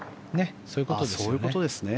そういうことですよね。